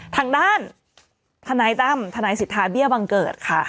ทางด้านทนายตั้มทนายสิทธาเบี้ยบังเกิดค่ะ